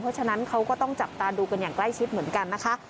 เพราะฉะนั้นเขาก็ต้องจับตาดูกันอย่างใกล้ชิดเหมือนกันนะคะ